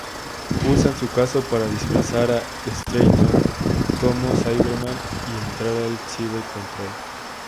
Usan su casco para disfrazar a Stratton como Cyberman y entrar en Cyber Control.